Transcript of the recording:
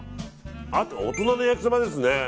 大人の焼きそばですね。